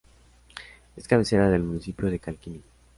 Es cabecera del municipio de Calkiní.